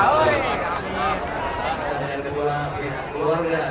saksikan kejelangan mahal dan masyarakat